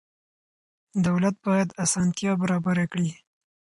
دولت باید اسانتیا برابره کړي.